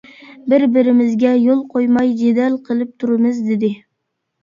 بىر بىرىمىزگە يول قويماي جېدەل قىلىپ تۇرىمىز دېدى.